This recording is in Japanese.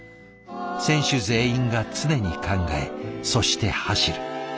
選手全員が常に考えそして走る。